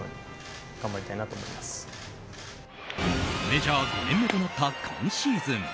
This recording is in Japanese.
メジャー５年目となった今シーズン。